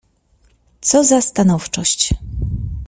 "Co za stanowczość!"